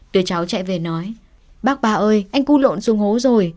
đứa cháu chạy về nói bác bà ơi anh cu lộn xuống hố rồi